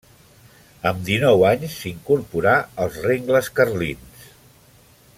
Amb dinou anys s'incorporà als rengles carlins.